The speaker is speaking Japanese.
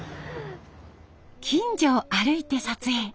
近所を歩いて撮影。